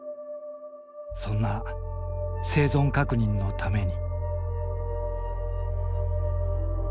そんな生存確認のために。